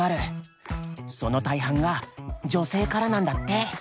その大半が女性からなんだって。